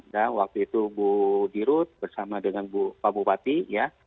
ya waktu itu bu dirut bersama dengan pak bupati ya